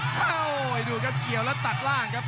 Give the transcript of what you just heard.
โอ้โหดูครับเขียวแล้วตัดล่างครับ